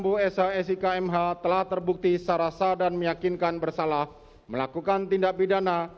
ferdinand sambu esa sikmh telah terbukti secara sah dan meyakinkan bersalah melakukan tindak pidana